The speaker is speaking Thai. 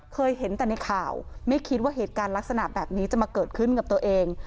เคยเห็นแต่ในข่าวไม่คิดว่าเหตุการณ์ลักษณะแบบนี้จะมาเกิดขึ้นกับตัวเอง